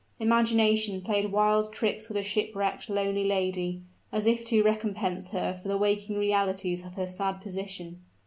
Imagination played wild tricks with the shipwrecked, lonely lady, as if to recompense her for the waking realities of her sad position.